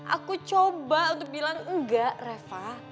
aku coba untuk bilang enggak reva